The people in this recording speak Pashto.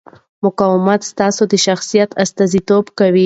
مقاومت ستا د شخصیت استازیتوب کوي.